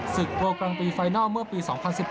ศึกโรคกรัมปีไฟนัลเมื่อปี๒๐๑๘